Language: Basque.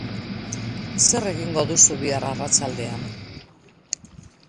Zer egingo duzu bihar arratsaldean?